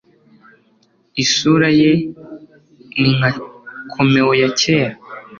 isura ye ni nka comeo ya kera